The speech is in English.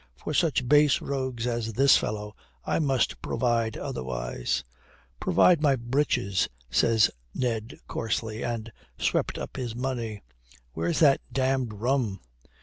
"For such base rogues as this fellow, I must provide otherwise." "Provide my breeches!" says Ned coarsely, and swept up his money. "Where's that damned rum?"